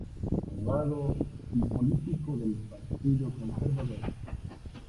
Abogado, y político del Partido Conservador.